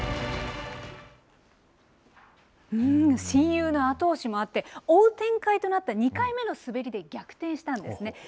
親友の後押しもあって、追う展開となった２回目の滑りで逆転したんですね。